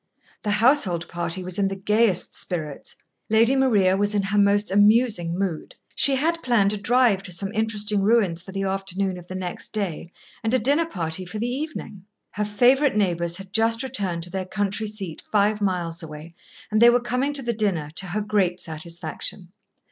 The household party was in the gayest spirits. Lady Maria was in her most amusing mood. She had planned a drive to some interesting ruins for the afternoon of the next day, and a dinner party for the evening. Her favourite neighbours had just returned to their country seat five miles away, and they were coming to the dinner, to her great satisfaction.